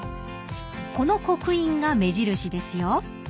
［この刻印が目印ですよ］